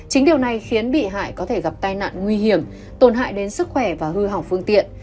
chính điều này khiến bị hại có thể gặp tai nạn nguy hiểm tổn hại đến sức khỏe và hư hỏng phương tiện